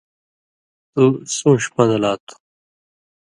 تُوۡ سُون٘ݜیۡ پن٘دہۡ لا تھُو۔